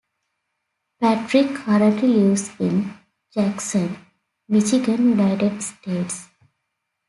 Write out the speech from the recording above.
Patrick currently lives in Jackson, Michigan, United States.